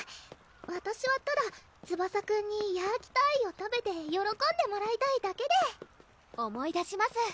わたしはただツバサくんにヤーキターイを食べてよろこんでもらいたいだけで思い出します